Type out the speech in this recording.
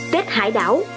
tết hải đảo